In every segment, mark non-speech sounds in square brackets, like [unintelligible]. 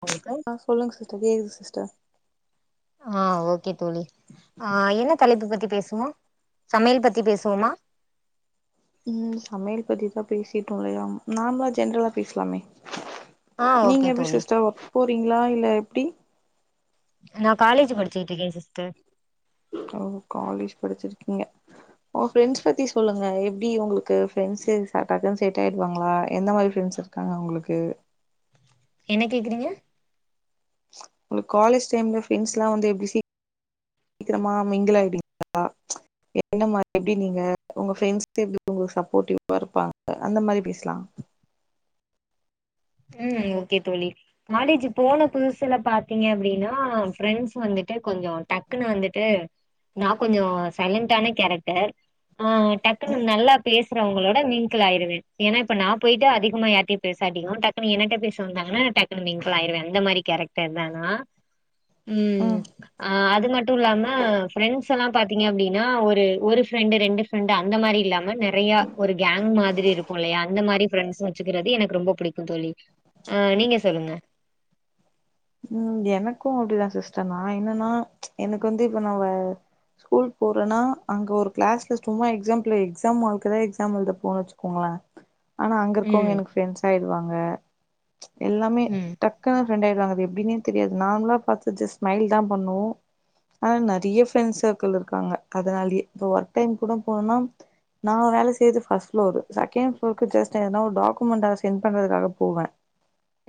அவுங்ளுக்கா ஆ சொல்லுங்க சிஸ்டர் கேக்குது சிஸ்டர் ஆஹ் ஓகே தோழி ஆஹ் என்ன தலைப்பு பத்தி பேசுவோ சமையல் பத்தி பேசுவோமா உம் சமையல் பத்திதா பேசிட்டோ இல்லையா நார்மளா ஜென்ரலா பேசுலாமே ஆ நீங்க ஓகே எப்டி தோழி சிஸ்டர் ஒர்க் போறீங்களா இல்ல எப்டி நா காலேஜு படிச்சிட்டுருக்கே சிஸ்டர் ஓ காலேஜ் படிச்சிருக்கீங்க ஓ ஃப்ரெண்ட்ஸ் பத்தி சொல்லுங்க எப்டி உங்களுக்கு ஃப்ரண்ட்ஸு [unintelligible] செட்டாயிடுவாங்ளா எந்த மாதிரி ஃப்ரெண்ட்ஸு க்காங்க உங்களுக்கு என்ன கேக்குறீங்க உங்ளுக்கு காலேஜ் டைம்ல ஃப்ரெண்ட்ஸ்ல்லா வந்து எப்டி சீக்கிரமா மிங்கிளாயிடுவிங்களா எந்த மாரி எப்டி நீங்க உங்க ஃப்ரெண்ட்ஸ் எப்டி உங்களுக்கு சப்போர்ட்டிவ்வா இருப்பாங்க அந்த மாரி பேசலா உம் ஓகே தோழி காலேஜு போன புதுசுல பாத்தீங்க அப்டின்னா ஃப்ரெண்ட்ஸ் வந்துட்டு கொஞ்சோ டக்குனு வந்துட்டு நா கொஞ்சோ சைலன்டான கேரக்டர் ஆ டக்குன்னு ம் நல்லா பேசுறவங்களோட மிங்கிள் ஆயிருவே ஏன்னா இப்ப நா போய்ட்டு அதிகமா யார்டயு பேசாட்டியு டக் என்னிட்ட பேச வந்தாங்கன்னா டக்குனு மிங்கிளாயிருவே அந்த மாரி கேரக்டர் தா நா உம் ம் அது மட்டு இல்லாம ஃப்ரெண்ட்ஸ்ல்லா பாத்தீங்க அப்டின்னா ஒரு ஒரு ஃப்ரெண்டு் ரெண்டு பிரெண்ட் அந்த மாரி இல்லாம நிறையா ஒரு கேங் மாதிரி இருக்கு இல்லையா அந்த மாரி ஃபிரெண்ட்ஸு வச்சுக்கிறது எனக்கு ரொம்ப பிடிக்கு தோழி ஆஹ் நீங்க சொல்லுங்க உம் எனக்கு அப்டிதா சிஸ்டர் நா என்னன்னா எனக்கு வந்து இப்ப நா ஸ்கூல் போறேனா அங்க ஒரு கிளாஸ்ல சும்மா எக்ஸாம்பிலு எக்ஸாம் ஹால்குதா எக்ஸாம் எழுத போரோனு வச்சுக்கோங்ளே [inaudible] ஆனா அங்க இருக்கவங்க ம் எனக்கு ஃப்ரெண்ட்ஸ் ஆயிருவாங்க எல்லாமே ம் டக்குன்னு ஃப்ரெண்ட் ஆயிடுவாங்க அது எப் எப்படின்னே தெரியாது நார்மலா பாத்து ஜஸ் ஸ்மைல் தா பண்ணுவோ ஆனா நிறைய ஃப்ரெண்ட் சர்க்கிள் இருக்காங்க அதனாலயே இப்ப ஒர்க் டைம் கூட போனா நா வேலை செய்து ஃபர்ஸ்ட் ஃப்ளோரு செகண்ட் ஃப்ளோருக்கு ஜஸ்ட் எதனா ஒரு டாக்குமெண்ட் அத சென்ட் பண்றதுக்காக போவே [inaudible]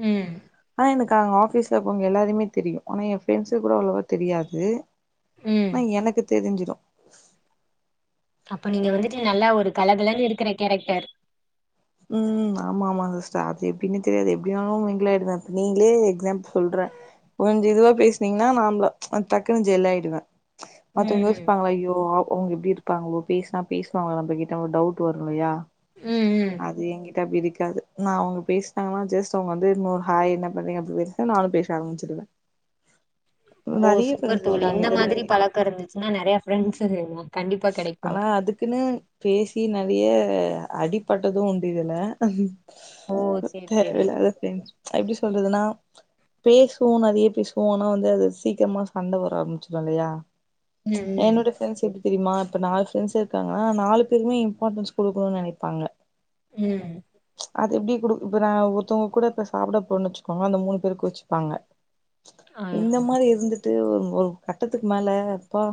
உம் ஆனா எனக்கு அவங்க ஆஃபீஸ்ல இருக்கவ்ங்க எல்லாரயுமே தெரியு ஆனா எ ஃப்ரெண்ட்ஸுக்கு கூட அவ்ளவா தெரியாது ம் ஆனா எனக்கு தெரிஞ்சிரு அப்ப நீங்க வந்துட்டு நல்லா ஒரு கலகலனு இருக்கிற கேரக்டர் உம் ஆமா ஆமா சிஸ்டர் அது எப்டின்னே தெரியாது எப்படின்னாலு மிங்கிளாயிடுவே இப்ப நீங்ளே எக்ஸாம்பிள் சொல்றே கொஞ்சோ இதுவா பேசுனீங்கன்னா நார்மலா டக்குன்னு ஜெல்லாயிடுவே அதுவு ம் ம் யோசிப்பாங்கள்ல ஐயோ அவு அவங்க இப்டி இரு பாங்குலோ பேசுனா பேசுவாங்களா நம்ம கிட்ட டவுட் வரு இல்லையா ம் ம் அது எ கிட்ட அப்டி இருக்காது நா அவுங்க பேசிட்டாங்கன்னா ஜஸ்ட் அவுங்க வந்து நோ ஹாய் என்ன பண்றீங்க அப்டி பேசு அ நானு பேச ஆரம்பிச்சிருவே மோ நெறைய சூப்பர் ஃப்ரெண்ட்ஸ் தோழி இருக்காங்க இந்த மாதிரி இதனாலே பழக்கோ இருந்துச்சுன்னா நெறயா ஃப்ரெண்ட்ஸ் [unintelligible] கெடைக்கு ஆனா அதுக்குன்னு பேசி நெறய அடிப்பட்டது உண்டு இதுல ஓ சேரி சேரி பரதேவையில்லாத ஃப்ரண்ட்ஸ் அ எப்டி சொல்றதுன்னா பேசுவோ நெறைய பேசுவோ ஆனா வந்து அது சீக்கிரமா சண்ட வர ஆரம்பிச்சிரு இல்லயா ம் என்னோட ஃப்ரன்ட்ஸ் எப்டி தெரிமா இப்ப நாலு ஃப்ரெண்ட்ஸ் இருக்காங்கன்னா நாலு பேருமே இம்பார்டன்ஸ் கொடுக்கணு நெனைப்பாங்க ம் [inaudible] அது எப்டி குடு இப்ப நா ஒருத்தங்க கூட இப்ப சாப்ட போன்னு வச்சுக்கோங்க அந்த மூணு பேரு கோச்சுப்பாங்க ஆ இந்த மாதிரி இருந்துட்டு ஒரு ஒரு கட்டத்துக்கு மேல அப்பா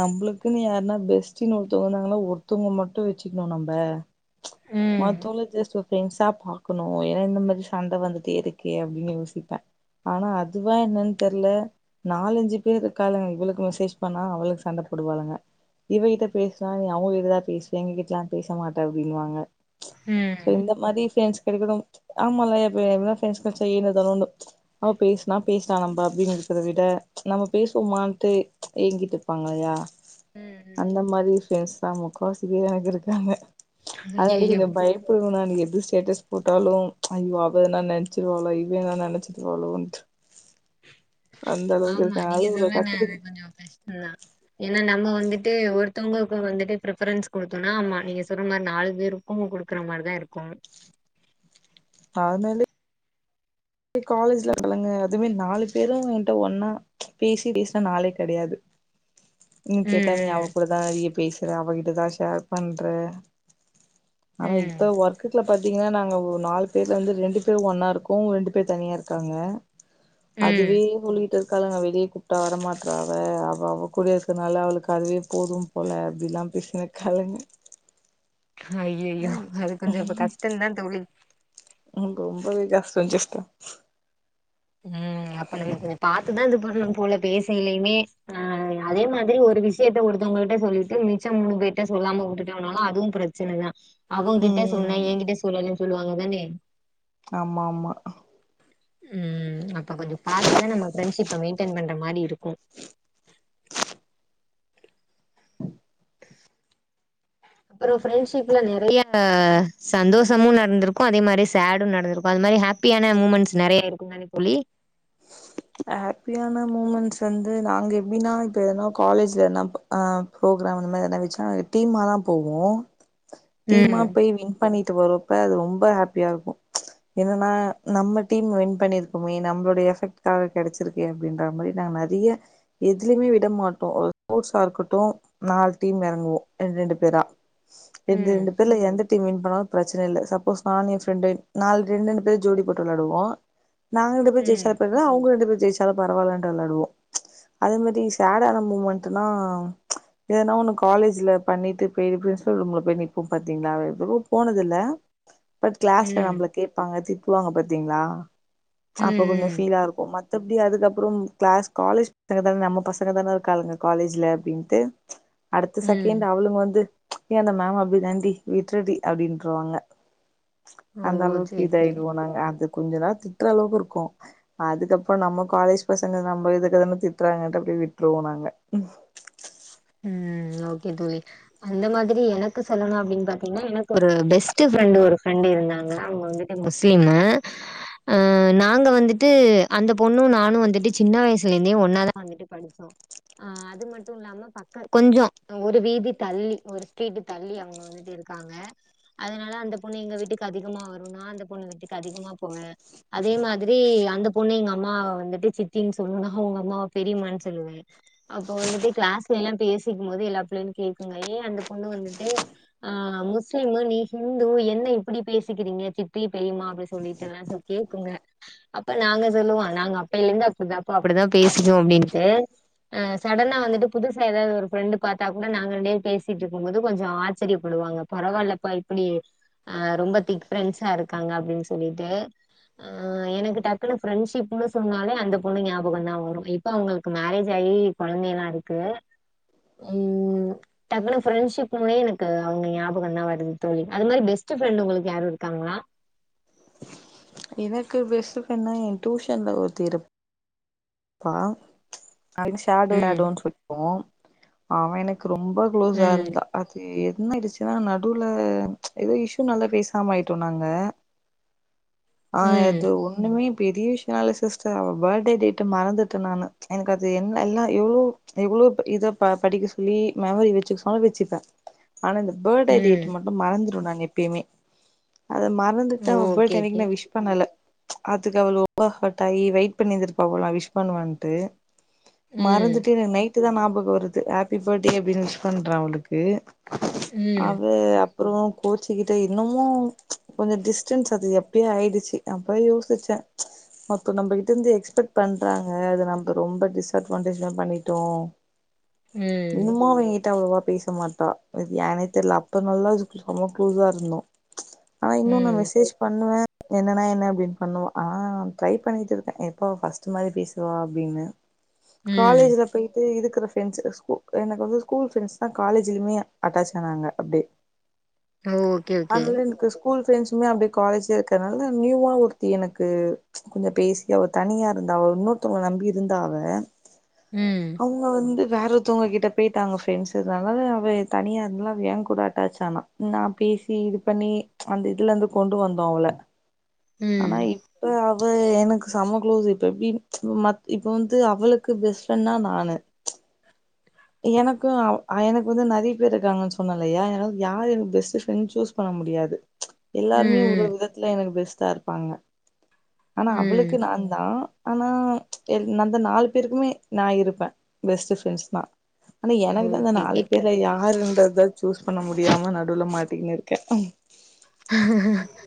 நம்ள குன்னு யாருன்னா பெஸ்டினு ஒருத்தவங்க வந்தாங்கனா ஒருத்தவங்க மட்டு வச்சுக்ணு நம்ப ம் மத்தோவ்ல ஜஸ்ட் ஒரு ஃப்ரெண்ட்ஸா பாக்கணு ஏனா இந்த மாதிரி சண்ட வந்துட்டே இருக்கே அப்டின் யோசிப்பே ஆனா அதுவா என்னன் தெர்ல நாலஞ்சு பேர் இருக்காலுங்க இவளக்கு மெசேஜ் பண்ணா அவளுக சண்ட போடுவாளுங்க இவகிட்ட பேசுனா நீ அவுங்க கிட்ட தா பேசுவே எங்க கிட்டலா பேச மாட்ட அப்டினுவாங்க ம் சோ இந்த மாதி ஃப்ரெண்ட்ஸ் கெடைக்கனும் ஆமால்ல எ ஃப இன்னொரு ஃப்ரண்ட்ஸ் கெடச்சா ஏனோ தானோனு அவ பேசுனா பேசலா நம்ப அப்டிங்குறத விட நம்ம பேசுவோமான்ட்டு ஏங்கிட்டு இருப்பாங்க இல்யா ம் ம் அந்த மாதி ஃப்ரண்ட்ஸ் தா முக்காவாசி பேர் எனக்கு இருக்காங்க அதனாலே அய்யய்யோ கொஞ்சோ பயப்படுவே நானு எது ஸ்டேட்டஸ் போட்டாலு ஐயோ அவ எனா நெனச்சிருவாளோ இவ எனா நெனச்சிருவாளோன்ட்டு அந்த அளவுக்கு இருக்கே அதுவு இல கத்துதுங் ம் ஏனா நம்ம வந்துட்டு ஒருத்தவங்கக்கு வந்துட்டு ஃபிரப்ரன்ஸ் குடுத்தோன்னா ஆமா நீங்க சொற மாரி நாலு பேரு எப்பமு குடுக்குற மாரிதா இருக்கு அது மேலே காலேஜ்ல அவளுங்க அதுமே நாலு பேரு என்ட்ட ஒன்னா பேசி பேசுன நாளே கெடயாது இன்னு கேட்டா நீ அவ ம் கூடதா நெறய பேசுற அவகிட்டதா ஷேர் பண்ற ஆனா ம் இப்ப ஒர்க்குக்ல பாத்தீங்கன்னா நாங்க ஒ நாலு பேர்ல வந்து ரெண்டு பேர் ஒன்னா இருக்கோ ரெண்டு பேர் தனியா இருக்காங்க ம் அதுவே இவளு கிட்ட பாக்காலுங்க வெளியே கூப்ட்டா வரமாட்றா அவ அவ அவ கூட இருக்கனால அவளுக்கு அதுவே போதும் போல அப்டிலா பேசினு இருகாளுங்க ஐய்யய்யோ அது கொஞ்சோ இப்ப கஷ்டந்தா தோழி ம் ரொம்பவே கஷ்டோ சிஸ்டர் ம் அப்ப நம்ம கொஞ்சோ பாத்துதா இது பண்ணனும் போல பேசயிலையுமே ஆ அதே மாதிரி ஒரு விஷயத்த ஒருத்தவங்க கிட்ட சொல்லிட்டு மிச்ச மூணு பேர்ட்ட சொல்லாம விட்டுட்டோனாலு அதுவு பிரச் சனதா அவங்கிட்ட சொன்ன எ ம் கிட்ட சொல்லலன் சொல்லுவாங்க தானே ஆமா ஆமா ம் அப்ப கொஞ்ச பாத்து தான் நம்ம பெர்ண்ட்ஸிப்ப மெயின்டென் பண்ற மாரி இருக்கும் அப்றோ ஃப்ரெண்ட்ஷிப்ல நெறைய சந்தோஷமும் நடந்திருக்கும் அதே மாரி சேடும் நடந்திருக்கும் அது மாரி ஹாப் பியான மூமெண்ட்ஸ் நெறைய இருக்குதானே தோழி ஹாப்பியான மூமெண்ட்ஸ் வந்து நாங்க எப்டின்னா இப்பனா காலேஜ்ல என்ன அ ப்ரோக்ராம எதா வெச்சா டீமாதா போவோ டீமா ம் போய் பண்ணிட்டு வருவரப்ப அது ரொம்ப ஹாப்பியா இருக்கு என்னன்னா நம்ம டீம் வின் பண்ணிருக்கோமே நம்பளுடைய எஃபெக்ட் காக கிடச்சிருக்கே அப்டின்ற மாரி நாங் நெறைய எதிலேமே விட மாட்டோ ஒரு ஸ்போர்ட்ஸா இருக்கட்டோ நாலு டீம் இறங்குவோ ரெண்டு ரெண்டு பேரா ரெண்டு ம் ரெண்டு பேர்ல எந்த டீம் வின் பண்ணாலு பிரச்சன இல்ல சப்போஸ் நா என் ஃப்ரெண்டு நாலு ரெண்டு ரெண்டு பேர் ஜோடி போட்டு வெளடுவோ நாங்க ரெண்டு பேர் ம் ஜெய்சா பற்ற அவுங்க ரெண்டு பேரு ஜெய்சாலு பரவாலன்டு வெளடுவோ அதே மாரி சேடான மூமெண்ட்னா ஏதன்னா ஒண்ணு காலேஜ்ல பண்ணிட்டு போய் பிரின்ஸ்பல் ரூம்ல போய் நிப்போ பாத்தீங்களா எதுலோ போனதுல பட் கிளாஸ்ல ம் நம்பள கேட்பாங்க திட்வாங்க பாத்தீங்களா ம் அப்ப கொஞ்ச ம் ஃபீலா இருக்கு மத்தபடி அதுக்கப்றோ கிளாஸ் காலேஜ் நம்ம பசங்க தானே இருக்காளுங்க காலேஜில அப்டின்ட்டு அடுத்த ம் செகண்ட் அவளுங்க வந்து ஏ அந்த மேம் அப்பிடி தாண்டி விட்றுடி அப்டின்ருவாங்க ஓ அந்த அளவுக்கு சேரி சேரி இதாயிடுவோ நாங்க அது கொஞ்ச நாள் திட்ற அளவுக்கு இருக்கு அதுக்கப்பறம் நம்ம காலேஜ் பசங்க நம்ப இதுக்குதானே திட்றாங்கட்டு அப்டியே விட்ருவோ நாங்க ம் ஓகே தோழி அந்த மாரி எனக்கு சொல்லணு அப்டின் பாத்தீங்கின்னா எனக்கு ஒரு பெஸ்ட்டு ஃப்ரெண்டு் ஒரு ஃப்ரெண்டு் இருந்தாங்க அவுங்க வந்து முஸ்லீமு ஆ நாங்க வந்துட்டு அந்த பொண்ணு நானு வந்துட்டு சின்ன வயசுலே இருந்தே ஒன்னாதா வந்து ட்டு படிச்சோ அது மட்டு இல்லாம பக் கொஞ்ச ஒரு வீதி தள்ளி ஒரு ஸ்ட்ரீட் தள்ளி அவுங்க வந்துட்டு இருக்கா சங்க அதனால அந்த பொண்ணு எங்க வீட்டுக்கு அதிகமா வரு நா அந்த பொண்ணு வீட்டுக்கு அதிகமா போவே அதே மாதிரி அந்த பொண்ணு எங்க அம்மா வந்துட்டு சித்தின்னு சொல்லு அவுங்க அம்மாவ பெரிமா ன்னு சொல்லுவே அப்போ வந்துட்டு கிளாஸ்ல எல்லா பேசிக்கு போது எல்லா பிள்ளைகளு கேக்குங்க அந்த பொண்ணு வந்துட்டு ஆ முஸ்லிம் நீ ஹிந்து என்ன இப்டி பேசிக்கிறீங்க சித்தி பெரியம்மா அப்டி சொல்லிட்டு எல்லா கேக்குங்க அப்ப நாங்க சொல்லுவோ நாங்க அப்பையில இருந்து அப்டிதாப்பா அப்டிதா பேசிக்குவோ அப்டின்ட்டு ஆ சடனா வந்துட்டு புதுசா ஏதாவது ஒரு ஃப்ரெண்டு பாத்தா கூட நாங்க ரெண்டு பேசிட்டு இருக்கு போது கொஞ்ச ஆச்சிரியப்படுவாங்க பரவாயில்லப்பா இப்டி அ ரொம்ப திக் ஃப்ரெண்ட்ஸா இருக்காங்க அப்டின்னு சொல்லிட்டு ஆ எனக்கு டக்குன்னு ஃப்ரெண்ட்ஷிப்ன்னு சொன்னாலே அந்த பொண்ணு ஞாபக தா வரு இப் இப்ப அங்களுக்கு மேரேஜ் ஆகி குழந்த எல்லா இருக்கு ம் டக்குன்னு ஃப்ரெண்ட்சிப்மே எனக்கு அவுங்க ஞாபக தா வருது தோழி அது மாரி பெஸ்ட்டு ஃப்ரெண்டு உங்களுக்கு யாரு இருக்காங்களா எனக்கு பெஸ்ட் ஃப்ரெண்ட்னா என் டியூஷன்ல ஒருத்தி இரு ப்பா நாங்க ஷடோ ம் ஷடோ னு சொல்லி அவ எனக் கு ரொம்ப க்ளோஸா ம் இருந்தா அது என்னடுச்சி ஏனா நடுவுல ஏதோ இஷ்யூ நலே பேசாம ஆயிட்டோ நாங்க ஆ ம் அது ஒண்ணுமே பெரிய விஷயலா சிஸ்டர் அவ பர்த்டே டேட் மறந்துட்ட நானு எனக்கு அது என்ன எல்லா ஐயோ எவ்வளோ பெரிய இத படிக்க சொல்லி மெமரி வச்சுக்க சொல் வச்சுப்பே ஆனா இந்த பேர்டே ம் டேட் மட்டு மறந்துடு நாங்க எப்பிமே அத மற் ந்துட்டே ஓ! அவ ஓகே பேர்டே அன்னக்கி ஓகே நா விஷ் பண்ணல அத்துக்கு அவள் ரொம்ப ஹட் ஆயி வெயிட் பண்ணிருந்துருக் போவலா விஷ் பண்ணுவான்ட்டு ம் மறந்துட்டு எனகு நைட் ட்டு தா ஞாபக வருது ஆப்பி பர்த்டே அப்டின்னு விஷ் பண்ற அவுளுக்கு ம் அவ அப்புறோ கோச்சிக்கிட்டு இன்னமு கொஞ்ச டிஸ்டன்ஸ் அது எப்பயோ ஆயிடுச்சு அப்ப யோசிச்சே ஒர்த்தங் நம்பக்கிட்ட இந்த எக்ஸ்பெட் பண்றாங்க அது நம்ப ரொம்ப டிஸ்அட்வான்டேஜ் லா பண்ணிட்டோ ம் ம் இன்னுமா அவ கிட்ட அவ்ளோவா பேஸ் சமாட்டே ஏனே தெரில அப்ப நல்லாது செம க்ளோஸா இருந்தோ ஆனா இன்னு நா மெசேஜ் பண்ணுவே என்னனா என்ன அப்டின் பண்ணுவா ஆ ட்ரை பண்ணிட்டு இருக்கே எப்போ பஸ்ட் மாரி பேசுவா அப்டின்னு ம் காலேஜ்ல பேய் இருக்கற ஃபிரன்ஸ்ட எனக்கு வந்து ஸ்கூல் ஃப்ரெண்ட்ஸ் தா காலேஜ்லயுமே அட்டாச் ஆனாங்க அப்டே ஓ! ஓகே ஓகே ஆன்ல என்க்கு ஸ் ஸ்கூல் ஃப்ரெண்ட்ஸ்மே அப்டியே காலேஜே இருக்கிறதுனால நியூவா ஒருத்தி எனக்கு கொஞ்சோ பேசி அவ தனியா இருந்த அவ இன்னொருத்தவங்க நம்பி இருந்தா அவ ம் அவுங்க வந்து வேற ஒருத்தவங்ககிட்ட பேய்ட்டாங்க ஃப்ரெண்ட்ஸ் இதுனால அவ தனியா இருந்தால அவ ஏ கூட அட்டாச் ஆனா நா பேசி இது பண்ணி அந்த இதுல இருந்து கொண்டு வந்தோ அவள ம் ஆனா ம் இப்ப அவ் அவ எனக்கு செம குளோஸ் இப்ப எப்டி மத் இப்ப வந்து அவளுக்கு பெஸ்ட் ஃப்ரெண்ட் னா நானு எனக்கு எனக்கு வந்து நிறைய பேரு இருக்காங்கன்னு சொன்னல்லையா ஏனா யாரு எனக்கு பெஸ்ட்டு ஃப்ரெண்ட் சூஸ் பண்ண முடியாது எல்லாருமே ஒரு ம் ஒரு விதத்துல எனக்கு பெஸ்ட்டா இருப்பாங்க ஆனா ம் அவளுக்கு நான்தா ஆனா அந்த நாலு பேருக்குமே நா இருப்பே பெஸ்ட்டு ஃப்ரெண்ட்ஸ் தா ஆனா எனக்கு தா அந்த ஓகே நாலு ஓகே பேருல யாருன்றத சூஸ் பண்ண முடியாம நடுவில மாட்டிக்கினு இருக்கே [unintelligible]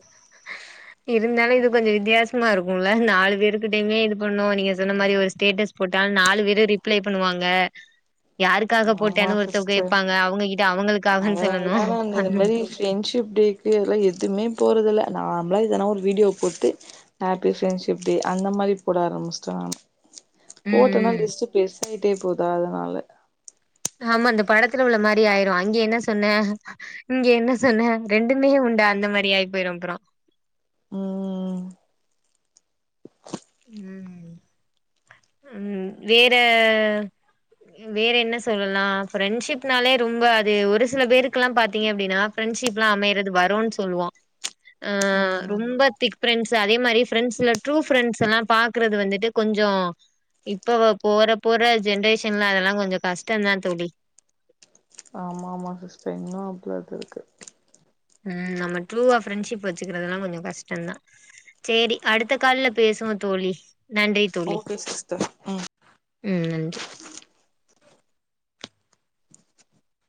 [inaudible] இருந்தாலு இது கொஞ்சோ வித்தியாசமா இருக்குல்ல நாலு பேருக்கிடயு இது பண்ணு நீங்க சொன்ன மாரி ஒரு ஸ்டேட்டஸ் போட்டாலு நாலு பேரு ரிப்ளை பண்ணுவாங்க [inaudible] யாருக்காக ஆமா போட்டனு ஒருத்தவ சிஸ்டர் கேப்பாங்க அவுங்ககிட்ட அவ்ங்களுக்காகன்னு அதனால சொல்லணு தான் நான் இந்த மாரி ஃப்ரெண்ட்ஷிப் டேக்கு எல்லா எதுமே போறதில்ல நாமளா இதனா ஒரு வீடியோ போட்டு ஹாப்பி ஃப்ரெண்ட்ஷிப் டே அந்த மாரி போட ஆரமிச்சிட்டே நானு ம் போட்டனா ம் லிஸ்ட்டு பெருசாயிட்டே போதா அதனால ஆமா இந்த படத்துல உள்ள மாரி ஆயிரு அங்க என்ன சொன்ன இங்க என்ன சொன்ன ரெண்டுமே உண்டா அந்த மாரி ஆயி பேயிரும்அப்றோ ம் ம் ம் வேற வேற என்ன சொல்லலா ஃரெண்ட்ஷிப்னாலே ரொம்ப அது ஒரு சில பேருக்கு எல்லா பாத்தீங்க அப்டின்னா பிரரெண்ட்ஷிப்லா அமையறது வரோனு சொல்லுவோ ஆ ம் ரொம்ப திக் ஃப்ரெண்ட்ஸ் அதே மாரி ஃப்ரெண்ட்ஸ்ல ட்ரூ ஃப்ரெண்ட்ஸ் ஸலா பாக்குறது வந்துட்டு கொஞ்சோ இப்ப போற போற ஜென்ரேஷன்லா அதெல்லா கொஞ்சோ கஷ்டந்தா தோழி ஆமா ஆமா சிஸ்டர் இன்னு அப்பள இது இருக்கு ம் நம்ம ட்ரூவா ஃரெண்ட்ஷிப் வச்சுக்கிறதுதெல்லா கொஞ்சோ கஷ்டந்தா சேரி அடுத்த கால்ல பேசுவோ தோழி நன்றி தோழி ஓகே சிஸ்டர் ம் ம் நன்றி